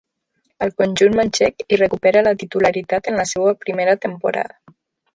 Al conjunt manxec hi recupera la titularitat en la seua primera temporada.